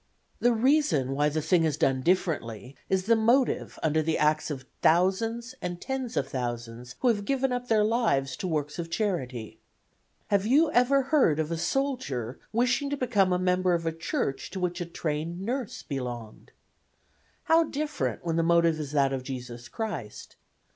"The reason why the thing is done differently is the motive under the acts of thousands and tens of thousands who have given up their lives to works of charity. Have you ever heard of a soldier wishing to become a member of a church to which a trained nurse belonged? How different when the motive is that of Jesus Christ.